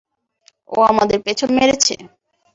ও আমাদের পেছন মেরেছে।